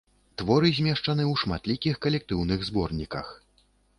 Творы змешчаны ў шматлікіх калектыўных зборніках.